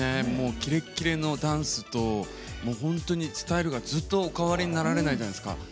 キレキレのダンスと本当にスタイルがずっとお変わりになられないじゃないですか。